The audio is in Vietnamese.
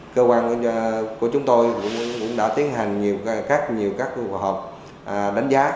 cơ quan của chúng tôi cũng đã tiến hành nhiều các hợp đánh giá